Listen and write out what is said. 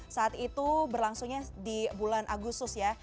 saat itu berlangsungnya di bulan agustus ya